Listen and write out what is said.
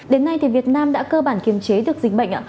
đến nay việt nam đã cơ bản kiềm chế được dịch bệnh